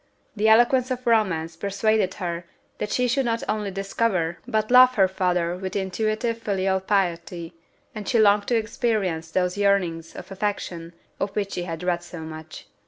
The eloquence of romance persuaded her that she should not only discover but love her father with intuitive filial piety, and she longed to experience those yearnings of affection of which she had read so much.